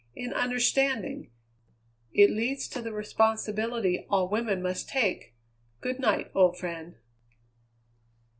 "In understanding. It leads to the responsibility all women must take. Good night, old friend."